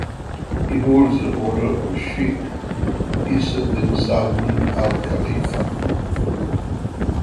He holds the Order of Sheikh Isa bin Salman Al Khalifa.